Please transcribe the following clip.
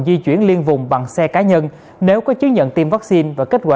di chuyển liên vùng bằng xe cá nhân nếu có chứng nhận tiêm vaccine và kết quả